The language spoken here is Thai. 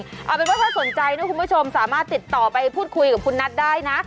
เอาเป็นว่าถ้าสนใจนะคุณผู้ชมสามารถติดต่อไปพูดคุยกับคุณนัทได้นะ